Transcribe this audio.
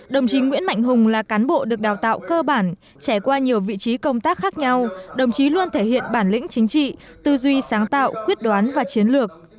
đồng chí nguyễn mạnh hùng là cán bộ được đào tạo cơ bản trải qua nhiều vị trí công tác khác nhau đồng chí luôn thể hiện bản lĩnh chính trị tư duy sáng tạo quyết đoán và chiến lược